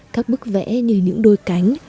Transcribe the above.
các bức vẽ như những đôi cánh